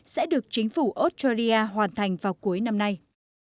sẽ được chính phủ australia hoàn thành vào cuối năm nay